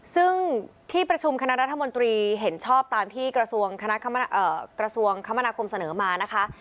ซึ่งที่ประชุมคณะรัฐมนตรีเห็นชอบตามที่กระทรวงคมนาคมเสนอมานะคะ